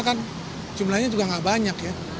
kan jumlahnya juga nggak banyak ya